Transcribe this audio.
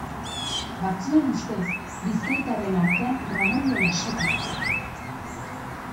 Batzuen ustez, bizkaitarren artean Ramon de la Sota zegoen.